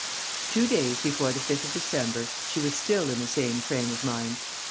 Two days before the 5th of December, she was still in the same frame of mind.